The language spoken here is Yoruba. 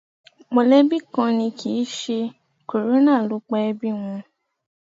Mọ̀lẹ́bí kan ní kíì ṣe kòrónà ló pa ẹbí wọn.